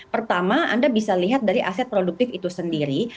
pertama anda bisa lihat dari aset produktif itu sendiri